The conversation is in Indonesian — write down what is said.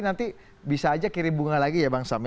nanti bisa aja kirim bunga lagi ya bang sam ya